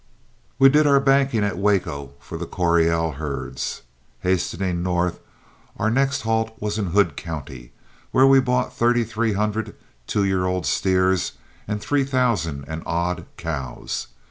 We did our banking at Waco for the Coryell herds. Hastening north, our next halt was in Hood County, where we bought thirty three hundred two year old steers and three thousand and odd cows.